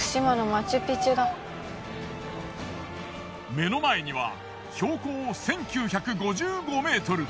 目の前には標高１，９５５ｍ。